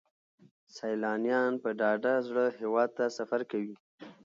سیلانیان په ډاډه زړه هیواد ته سفر کوي.